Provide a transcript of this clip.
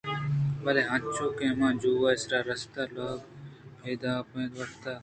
بلے انچو کہ آہما جُوہ ءِ سرا رستاں لاگ پدا آپ ءَ وپت